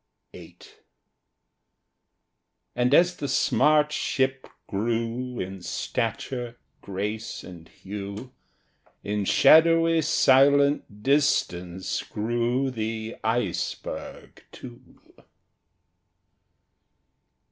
VIII And as the smart ship grew In stature, grace, and hue, In shadowy silent distance grew the Iceberg too.